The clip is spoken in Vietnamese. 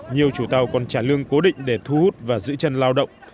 nhiều chủ tàu còn trả lương cố định để thu hút và giữ chân lao động